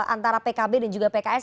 antara pkb dan juga pks